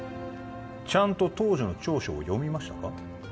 ちゃんと当時の調書を読みましたか？